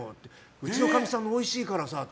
うちのかみさんのおいしいからって。